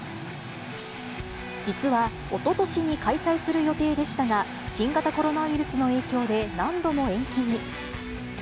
実はおととしに開催する予定でしたが、新型コロナウイルスの影響で何度も延期に。